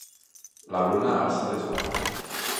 La Bruna alça l'esguard.